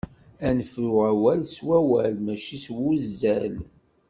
Ad nefru awal s wawal mačči s wuzzal.